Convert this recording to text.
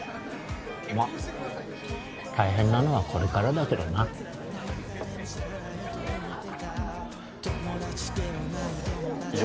まっ大変なのはこれからだけどないる